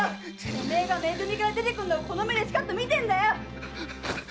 てめえがめ組から出てくんのをこの目でしかと見てんだよ！